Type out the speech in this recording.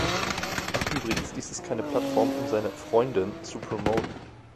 Ach übrigens, dies ist keine Plattform um seine "Freundin" zu promoten.